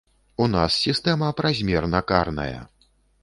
У нас сістэма празмерна карная.